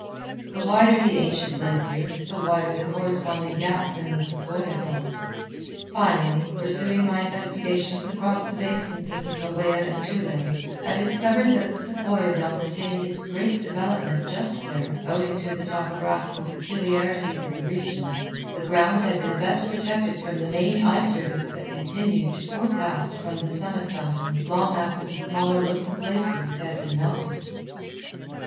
The wider the ancient glacier, the wider the corresponding gap in the sequoia belt. Finally, pursuing my investigations across the basins of the Kaweah and Tule, I discovered that the sequoia belt attained its greatest development just where, owing to the topographical peculiarities of the region, the ground had been best protected from the main ice rivers that continued to pour past from the summit fountains long after the smaller local glaciers had been melted.